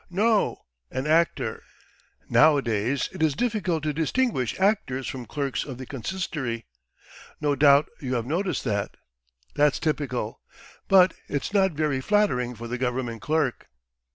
"No, an actor. Nowadays it is difficult to distinguish actors from clerks of the Consistory. No doubt you have noticed that. ... That's typical, but it's not very flattering for the government clerk."